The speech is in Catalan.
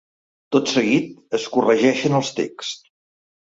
Tot seguit, es corregeixen els texts.